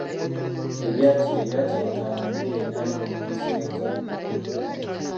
Ebyagi bye byaterekanga emmere enaaliibwa mu kaseera k'enjala.